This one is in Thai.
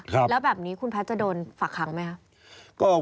แล้วแบบนี้คุณแพทย์จะโดนฝากค้างไหมครับ